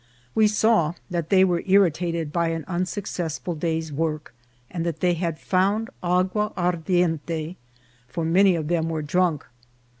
We saw that they were irritated by an unsuccessful day's work, and that they had found agua ardiente, for many of them were drunk.